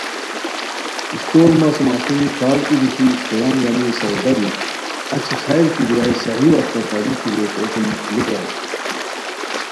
ایستور مہ سوم اسونی کھاڑ ای بیتی استوران گانی سودا بی اچی خیر کی بیرائے صحیح وختہ تاروسی رے تو سُم لوُ پرائے